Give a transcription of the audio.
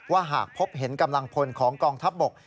หากพบเห็นกำลังพลของกองทัพบก